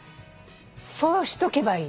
そうしとけばいいって。